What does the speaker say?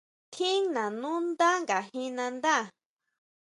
¿Tjin nanú ndá ngajin nandá?